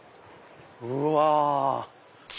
うわ！